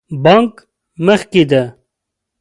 بانک مخکې ده